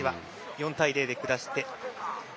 ４対０で下して。